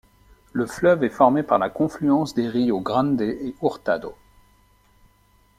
Le fleuve est formé par la confluence des ríos Grande et Hurtado.